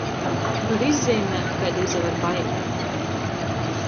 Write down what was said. Vari izzeimēt, kaida izaver baile?